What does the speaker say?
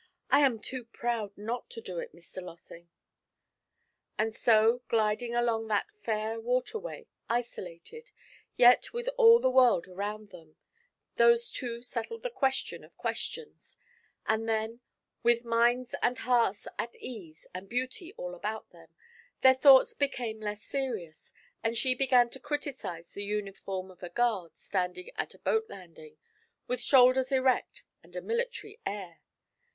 I am too proud not to do it, Mr. Lossing.' And so gliding along that fair water way, isolated, yet with all the world around them, those two settled the question of questions; and then, with minds and hearts at ease, and beauty all about them, their thoughts became less serious, and she began to criticise the uniform of a guard standing at a boat landing, with shoulders erect and a military air.